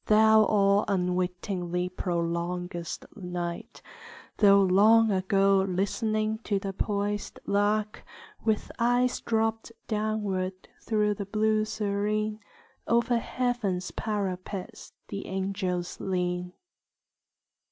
Thou all unwittingly prolongest night, Though long ago listening the poisèd lark, With eyes dropt downward through the blue serene, Over heaven's parapets the angels lean.